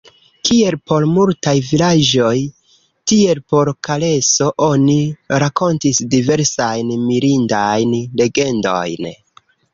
Kiel por multaj vilaĝoj, tiel por Kareso, oni rakontis diversajn mirindajn legendojn.